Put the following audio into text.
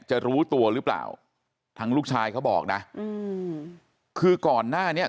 จะรู้ตัวหรือเปล่าทางลูกชายเขาบอกนะอืมคือก่อนหน้านี้